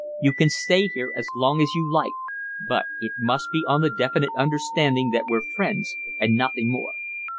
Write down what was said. You can stay here as long as you like, but it must be on the definite understanding that we're friends and nothing more."